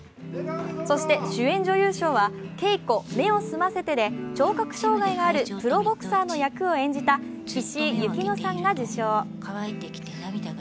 そして主演女優賞は「ケイコ目を澄ませて」で聴覚障害があるプロボクサーの役を演じた岸井ゆきのさんが受賞。